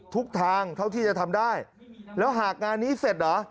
ทุกทางเท่าที่จะทำได้แล้วหากงานนี้เสร็จเหรอ